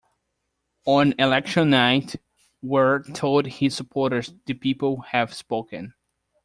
On election night, Weir told his supporters The people have spoken.